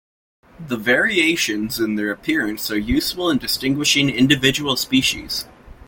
The variations in their appearance are useful in distinguishing individual species.